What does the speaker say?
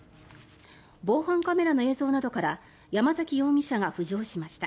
防犯カメラの映像などから山崎容疑者が浮上しました。